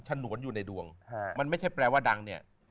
ฉนวนอยู่ในดวงมันไม่ใช่แปลว่าดังเนี่ย